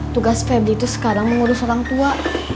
tugas febri itu sekarang mengurus orang tua